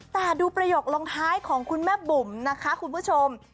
แต่ดูประโยคลงท้ายของคุณแม่บุ๋มนะคะคุณผู้ชม